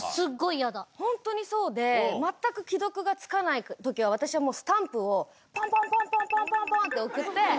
ホントにそうで全く既読がつかない時は私はスタンプをポンポンポンって送って。